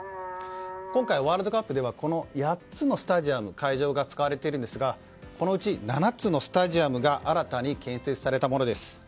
今回、ワールドカップでは８つのスタジアム、会場が使われているんですがこのうち７つが新たに建設されたものです。